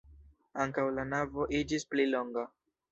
Ankaŭ la navo iĝis pli longa.